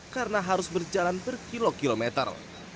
karena harus berjalan berkilo kilometer